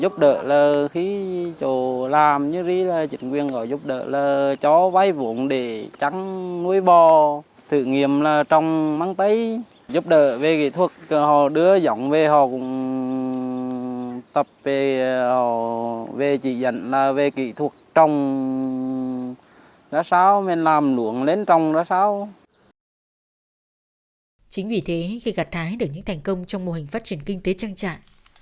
chính vì thế khi gạt thái được những thành công trong mô hình phát triển kinh tế trang trại